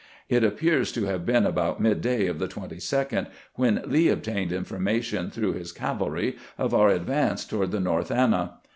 It appears to have been about midday of the 22d when Lee obtained information, through his cavalry, of our advance toward the North Anna.